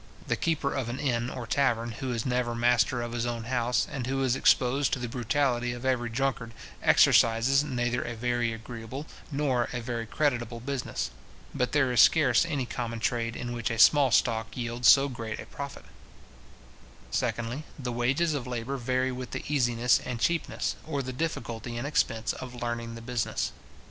The keeper of an inn or tavern, who is never master of his own house, and who is exposed to the brutality of every drunkard, exercises neither a very agreeable nor a very creditable business. But there is scarce any common trade in which a small stock yields so great a profit. Secondly, the wages of labour vary with the easiness and cheapness, or the difficulty and expense, of learning the business.